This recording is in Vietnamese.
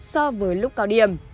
so với lúc cao điểm